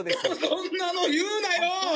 「そんなの言うなよ！」